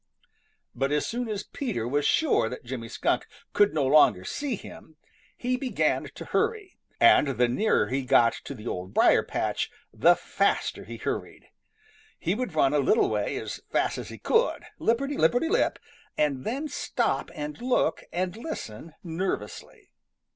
But as soon as Peter was sure that Jimmy Skunk could no longer see him, he began to hurry, and the nearer he got to the Old Briar patch, the faster he hurried. He would run a little way as fast as he could, lipperty lipperty lip, and then stop and look and listen nervously.